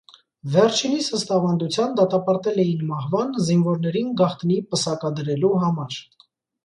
Վերջինիս, ըստ ավանդության, դատապարտել էին մահվան զինվորներին գաղտնի պսակադրելու համար։